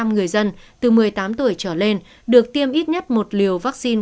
bốn mươi ba năm mươi sáu người dân từ một mươi tám tuổi trở lên được tiêm ít nhất một liều